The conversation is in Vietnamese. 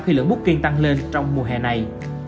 khi lượng bút kiên tăng lên trong mùa hè này